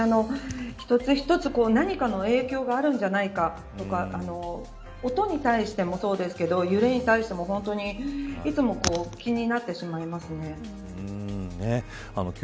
本当に一つ一つ何かの影響があるんじゃないかとか音に対してもそうですけど揺れに対してもいつも気になってしまいますね。